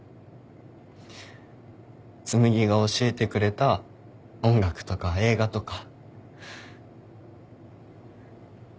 紬が教えてくれた音楽とか映画とか。